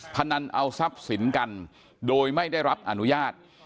พนันเอาทรัพย์สินกันโดยไม่ได้รับอนุญาต